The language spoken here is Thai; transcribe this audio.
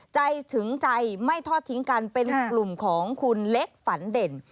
ใจถึงใจไม่ทอดทิ้งกันเป็นกลุ่มของคุณเล็กฝันเด่น